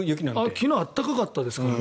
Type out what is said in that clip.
昨日は暖かかったですからね。